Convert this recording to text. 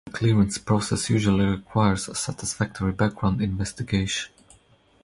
The clearance process usually requires a satisfactory background investigation.